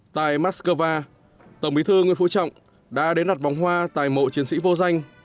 tại moscow tổng bí thư nguyễn phú trọng đã đến đặt bóng hoa tại mộ chiến sĩ vô danh